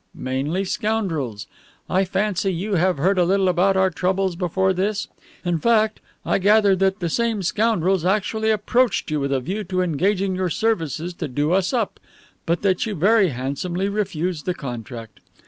Mainly scoundrels. I fancy you have heard a little about our troubles before this. In fact, I gather that the same scoundrels actually approached you with a view to engaging your services to do us up, but that you very handsomely refused the contract.